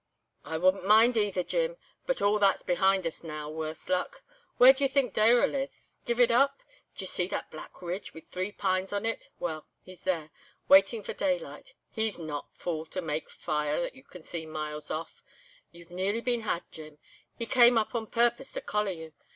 "'I wouldn't mind either, Jim. But all that's behind us now—worse luck! Where do you think Dayrell is? Give it up? D'ye see that black ridge, with three pines on it? Well, he's there, waiting for daylight. He's not fool to make a fire you can see miles off. You've nearly been had, Jim. He came up on purpose to collar you.